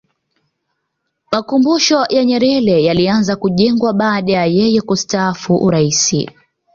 makumbusho ya nyerere yalianza kujengwa baada ya yeye kustaafu urais